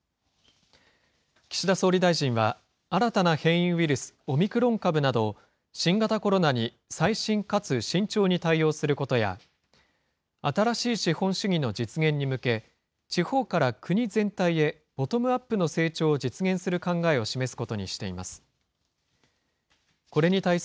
岸田総理大臣は、新たな変異ウイルス、オミクロン株など、新型コロナに細心かつ慎重に対応することや、新しい資本主義の実現に向け、地方から国全体へボトムアップの成長を実現する考えを示すことにしています。